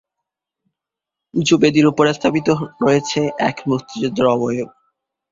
উঁচু বেদির ওপর স্থাপিত রয়েছে এক মুক্তিযোদ্ধার অবয়ব।